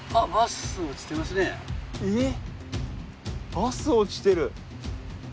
バス落ちてる。